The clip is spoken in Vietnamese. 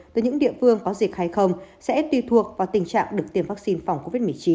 từ những địa phương có dịch hay không sẽ tùy thuộc vào tình trạng được tiêm vaccine phòng covid một mươi chín